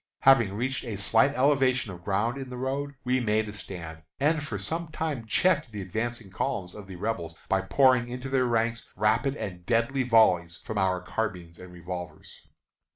Having reached a slight elevation of ground in the road, we made a stand, and for some time checked the advancing columns of the Rebels by pouring into their ranks rapid and deadly volleys from our carbines and revolvers.